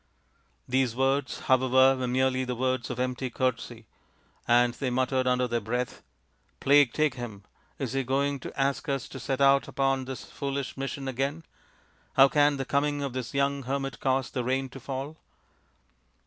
These words, however, were merely the words of empty courtesy, and they muttered under their breath, " Plague take him ; is he going to ask us to set out upon this foolish mission again ? How can the coming of this young hermit cause the rain to fall